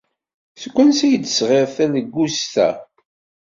Seg wansi ay d-tesɣiḍ talegguẓt-a?